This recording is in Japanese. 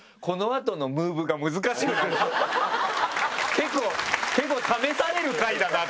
結構結構試される回だなと思って。